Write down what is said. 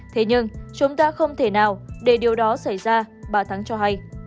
thế nhưng chúng ta không thể nào để điều đó xảy ra bà thắng cho hay